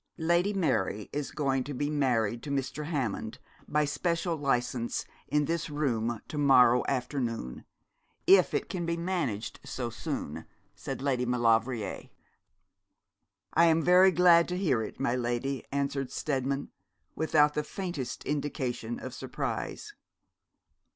'Lady Mary is going to be married to Mr. Hammond, by special licence, in this room, to morrow afternoon, if it can be managed so soon,' said Lady Maulevrier. 'I am very glad to hear it, my lady,' answered Steadman, without the faintest indication of surprise.